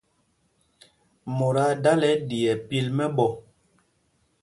Mot aa dala ɗí ɛ́ pil mɛ̄ɓɔ̄.